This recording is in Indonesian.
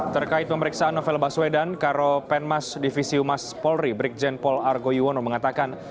terkait pemeriksaan novel baswedan karo penmas divisi umas polri brikjen pol argoiwono mengatakan